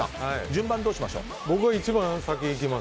順番、どうしましょう？